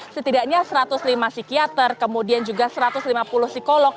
setidaknya satu ratus lima psikiater kemudian juga satu ratus lima puluh psikolog